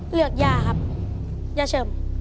เลือกยาร์ครับยาเชิม